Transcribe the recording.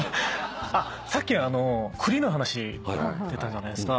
あっさっき栗の話出たじゃないですか。